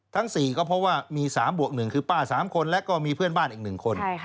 ทั้ง๔ก็เพราะว่ามี๓บวก๑คือป้า๓คนแล้วก็มีเพื่อนบ้านอีก๑คน